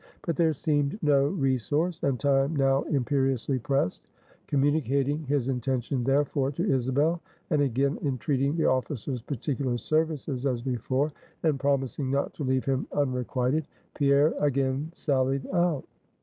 But there seemed no resource, and time now imperiously pressed. Communicating his intention therefore to Isabel, and again entreating the officer's particular services as before, and promising not to leave him unrequited; Pierre again sallied out.